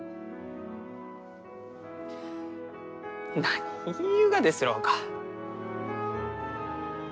何言いゆうがですろうか。